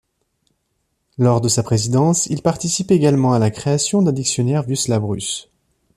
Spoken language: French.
Lors de sa présidence il participe également à la création d'un dictionnaire Vieux Slave-Russe.